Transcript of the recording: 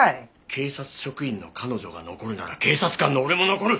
警察職員の彼女が残るなら警察官の俺も残る！